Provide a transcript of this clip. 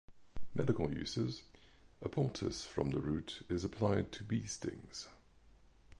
Medical uses: A poultice from the root is applied to bee stings.